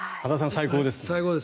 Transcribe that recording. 最高ですね。